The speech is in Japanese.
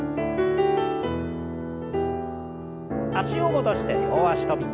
脚を戻して両脚跳び。